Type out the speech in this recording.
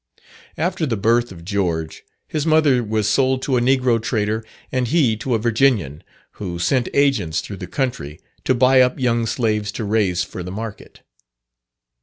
After the birth of George, his mother was sold to a negro trader, and he to a Virginian, who sent agents through the country to buy up young slaves to raise for the market.